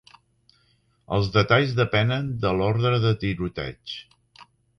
Els detalls depenen de l'ordre de tiroteig.